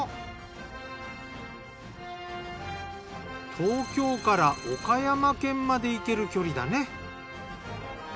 東京から岡山県まで行ける距離だね。